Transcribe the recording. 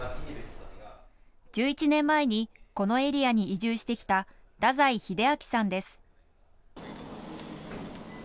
１１年前に、このエリアに移住してきた、太宰秀章さんです。